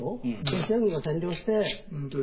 ロシア軍が占領して。